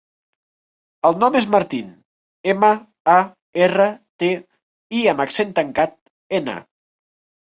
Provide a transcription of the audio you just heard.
El nom és Martín: ema, a, erra, te, i amb accent tancat, ena.